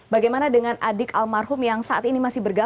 bagaimana dengan adik almarhum yang saat ini masih bergantung